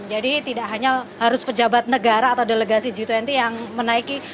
jadi tidak hanya harus pejabat negara atau delegasi g dua puluh yang menaiki